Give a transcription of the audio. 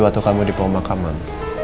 apa yang kamu dengar dari kak mir